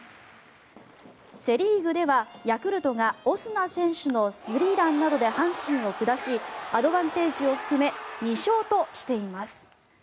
セ・リーグではヤクルトがオスナ選手のスリーランなどで阪神を下しアドバンテージを含め２勝としています。